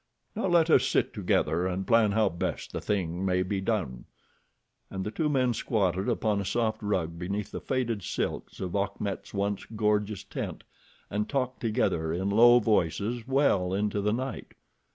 Now let us sit together and plan how best the thing may be done," and the two men squatted upon a soft rug beneath the faded silks of Achmet's once gorgeous tent, and talked together in low voices well into the night.